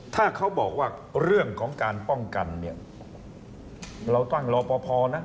ถ้าเขาบอกว่าเรื่องของการป้องกันเนี่ยเราตั้งรอพอพอนะ